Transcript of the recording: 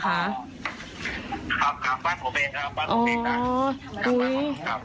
ครับครับบ้านผมเองครับบ้านผมเองครับ